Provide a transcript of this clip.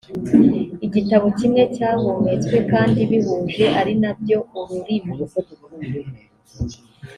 igitabo kimwe cyahumetswe kandi bihuje ari na byo ururimi